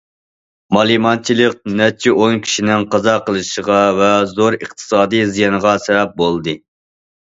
مالىمانچىلىق نەچچە ئون كىشىنىڭ قازا قىلىشىغا ۋە زور ئىقتىسادىي زىيانغا سەۋەب بولدى.